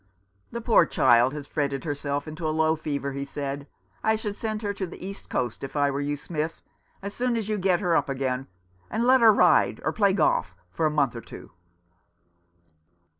"The poor child has fretted herself into a low fever," he said. " I should send her to the east coast if I were you, Smith, as soon as you get her up again, and let her ride, or play golf, for a month or two."